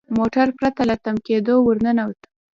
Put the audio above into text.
موټر پرته له تم کیدو ور ننوت.